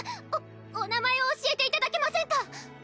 おお名前を教えていただけませんか？